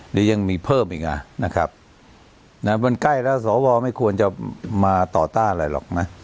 เดี๋ยวยังมีเพิ่มอีกอ่ะนะครับนะมันใกล้แล้วสวไม่ควรจะมาต่อต้านอะไรหรอกนะ